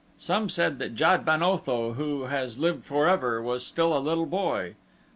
Some said that Jad ben Otho, who has lived forever, was still a little boy.